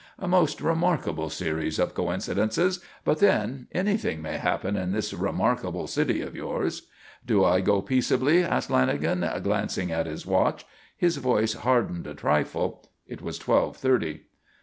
A most remarkable series of coincidences; but then, anything may happen in this remarkable city of yours." "Do I go peaceably?" asked Lanagan, glancing at his watch. His voice hardened a trifle. It was twelve thirty.